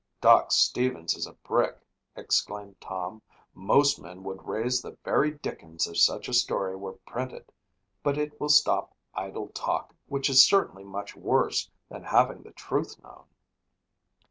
"Doc Stevens is a brick," exclaimed Tom. "Most men would raise the very dickens if such a story were printed but it will stop idle talk which is certainly much worse than having the truth known."